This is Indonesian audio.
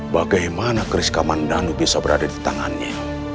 bagaimana chris kamandanu bisa berada di tangannya